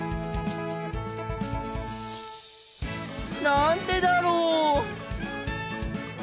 なんでだろう？